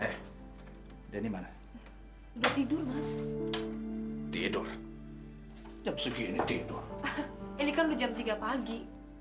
eh deni mana tidur tidur jam segini tidur ini kan jam tiga pagi